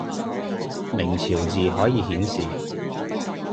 明朝字可以顯示